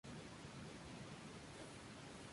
El ángulo suroeste se ha derrumbado.